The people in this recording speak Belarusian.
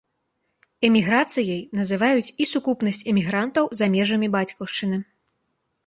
Эміграцыяй называюць і сукупнасць эмігрантаў за межамі бацькаўшчыны.